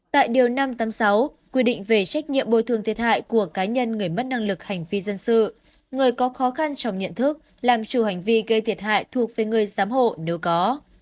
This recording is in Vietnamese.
tại điều năm trăm tám mươi sáu quy định về trách nhiệm bồi thường thiệt hại của cá nhân người mất năng lực hành vi dân sự người có khó khăn trong nhận thức làm chủ hành vi gây thiệt hại thuộc về người giám hộ nếu có